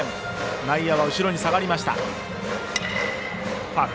内野は後ろに下がりました。